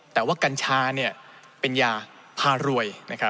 แต่ว่ากัญชาเป็นยาพารวย